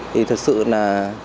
thì thật sự là